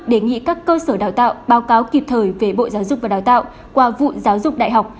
đề nghị các cơ sở đào tạo báo cáo kịp thời về bộ giáo dục và đào tạo qua vụ giáo dục đại học